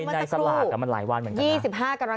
ในสลากมันหลายวันเหมือนกัน๒๕กรก